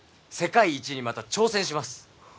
世界一にまた挑戦します！